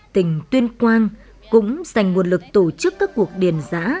tỉnh tuyên quang cũng dành nguồn lực tổ chức các cuộc điền giã